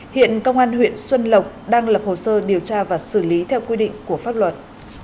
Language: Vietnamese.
hiện công an huyện xuân lộc đang lập hồ sơ điều tra và xử lý theo quy định của pháp luật